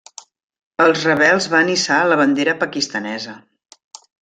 Els rebels van hissar la bandera pakistanesa.